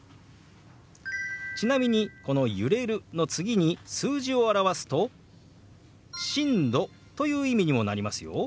ちなみにこの「揺れる」の次に数字を表すと「震度」という意味にもなりますよ。